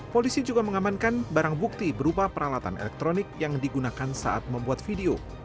polisi juga mengamankan barang bukti berupa peralatan elektronik yang digunakan saat membuat video